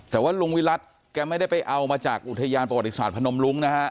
แต่ว่าลุงวิรัติแกไม่ได้ไปเอามาจากอุทยานประวัติศาสตร์พนมรุ้งนะฮะ